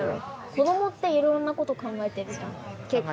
子どもっていろんなこと考えてるじゃん結構。